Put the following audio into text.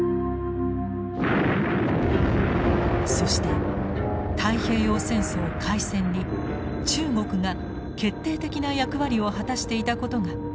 そして太平洋戦争開戦に中国が決定的な役割を果たしていたことが明らかになったのです。